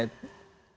bukan seperti itu